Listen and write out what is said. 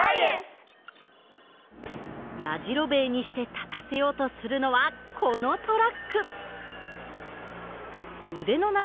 やじろべえにして立たせようとするのはこのトラック。